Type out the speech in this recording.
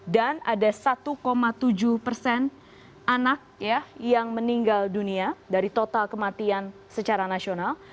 dan ada satu tujuh persen anak yang meninggal dunia dari total kematian secara nasional